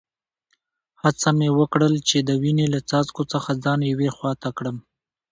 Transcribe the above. هڅه مې وکړل چي د وینې له څاڅکو څخه ځان یوې خوا ته کړم.